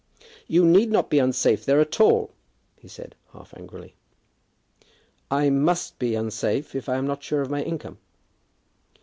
"You need not be unsafe there at all," he said, half angrily. "I must be unsafe if I am not sure of my income."